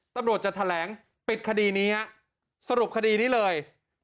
ตำรวจจะแถลงปิดคดีนี้ฮะสรุปคดีนี้เลย